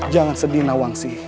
jangan sedih nawangsi